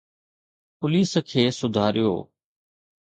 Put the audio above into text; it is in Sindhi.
پوليس کي سڌاريو.